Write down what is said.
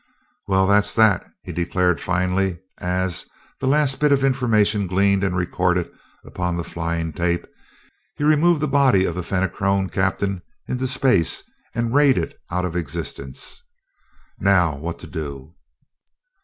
"Well, that's that," he declared finally, as, the last bit of information gleaned and recorded upon the flying tape, he removed the body of the Fenachrone captain into space and rayed it out of existence. "Now what to do?"